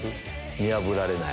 見破られない。